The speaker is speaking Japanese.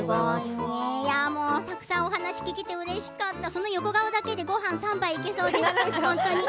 たくさん話が聞けてうれしかったその横顔だけでごはん３杯いける。